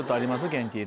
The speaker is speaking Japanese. ケンティー。